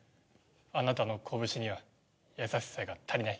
あなたのこぶしには優しさが足りない。